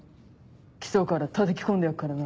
基礎からたたき込んでやっからな。